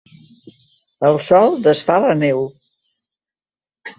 El sol desfà la neu.